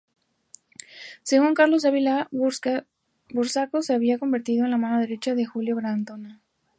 Según Carlos Ávila, Burzaco se había convertido en la mano derecha de Julio Grondona.